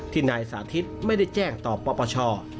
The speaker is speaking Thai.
นายสาธิตไม่ได้แจ้งต่อปปช